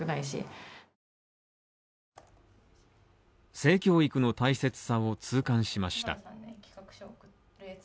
性教育の大切さを痛感しました。